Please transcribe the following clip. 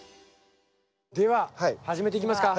では始めていきますか？